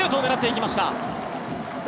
シュートを狙っていきました。